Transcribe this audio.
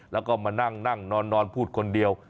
แล้วก็มานั่งนั่งนอนพูดคนเดียว